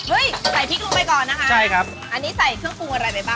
ใส่พริกลงไปก่อนนะคะใช่ครับอันนี้ใส่เครื่องปรุงอะไรไปบ้าง